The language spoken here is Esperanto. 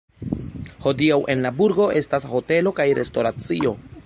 Hodiaŭ en la burgo estas hotelo kaj restoracio.